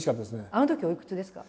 あのときおいくつですか？